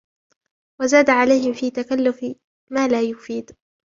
وَزَادَ عَلَيْهِمْ فِي تَكَلُّفِ مَا لَا يُفِيدُ